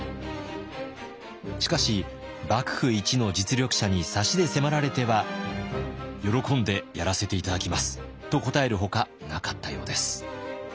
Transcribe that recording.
しかし幕府一の実力者にサシで迫られては「喜んでやらせて頂きます」と答えるほかなかったようです。